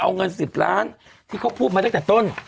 เอาเงิน๑๐ล้านที่เขาพูดมาตั้งแต่ต้น